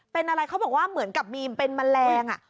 เป็นอะไรเขาบอกว่าเหมือนกับมีเป็นแมลง